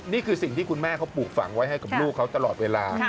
นี่คือสิ่งที่คุณแม่เขาปลูกฝังไว้ให้กับลูกเขาตลอดเวลา